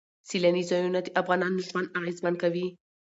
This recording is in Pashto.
سیلانی ځایونه د افغانانو ژوند اغېزمن کوي.